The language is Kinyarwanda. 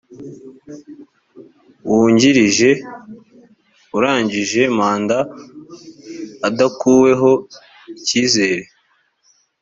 wungirije arangije manda adakuweho icyizere